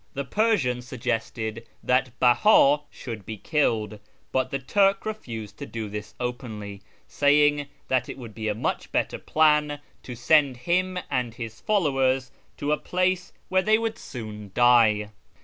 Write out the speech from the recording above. The Persian sug gested that Beh;i should be killed, but the Turk refused to do this openly, saying that it would be a much better plan to send him and his followers to a place where they would soon die.